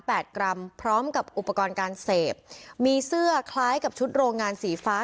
กรัมพร้อมกับอุปกรณ์การเสพมีเสื้อคล้ายกับชุดโรงงานสีฟ้า